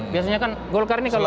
biasanya kan golkar ini kalau